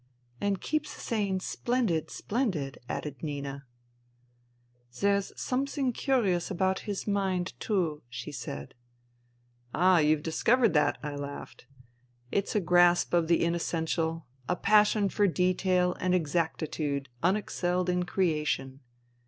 " And keeps saying ' Splendid ! Splendid !'" added Nina. " There's something curious about his mind, too," she said. " Ah ! you've discovered that !" I laughed. " It's a grasp of the inessential, a passion for detail and exactitude unexcelled in creation.